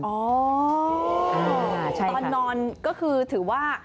ตอนนอนก็คือถือว่า